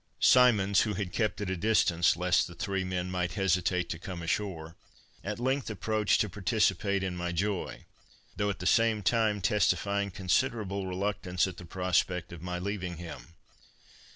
Symonds, who had kept at a distance, lest the three men might hesitate to come ashore, at length approached to participate in my joy, though at the same time, testifying considerable reluctance at the prospect of my leaving him.